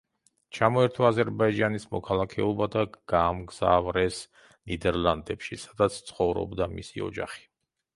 ჩამოერთვა აზერბაიჯანის მოქალაქეობა და გაამგზავრეს ნიდერლანდებში, სადაც ცხოვრობდა მისი ოჯახი.